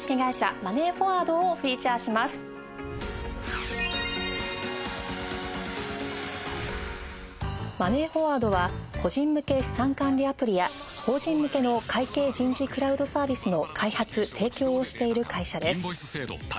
マネーフォワードは個人向け資産管理アプリや法人向けの会計・人事クラウドサービスの開発・提供をしている会社です